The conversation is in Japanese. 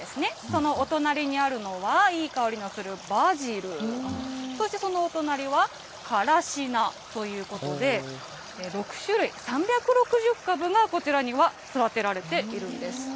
そのお隣にあるのは、いい香りのするバジル、そしてそのお隣はカラシナということで、６種類３６０株がこちらには育てられているんです。